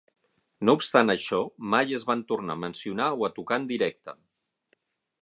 No obstant això, mai es van tornar a mencionar o a tocar en directe.